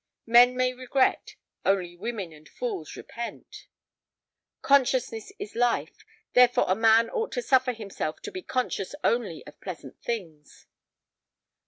"Men may regret; only women and fools repent." "Consciousness is life; therefore a man ought to suffer himself to be conscious only of pleasant things."